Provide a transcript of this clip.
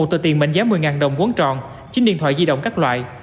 một tờ tiền mệnh giá một mươi đồng vốn tròn chín điện thoại di động các loại